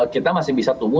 kita masih bisa tunggu